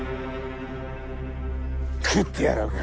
食ってやろうか！